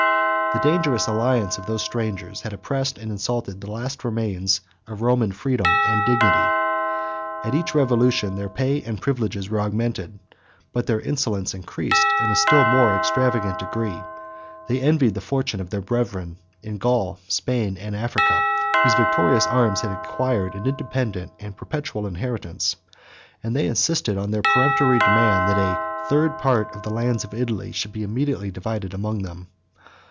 The dangerous alliance of these strangers had oppressed and insulted the last remains of Roman freedom and dignity. At each revolution, their pay and privileges were augmented; but their insolence increased in a still more extravagant degree; they envied the fortune of their brethren in Gaul, Spain, and Africa, whose victorious arms had acquired an independent and perpetual inheritance; and they insisted on their peremptory demand, that a third part of the lands of Italy should be immediately divided among them.